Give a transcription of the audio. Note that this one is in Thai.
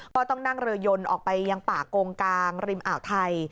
ก็ต้องนั่งเรือยนออกไปยังป่ากงกลางริมอ่าวไทย